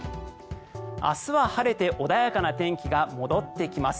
明日は晴れて穏やかな天気が戻ってきます。